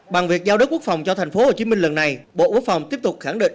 bằng việc giao đất quốc phòng cho tp hcm lần này bộ quốc phòng tiếp tục khẳng định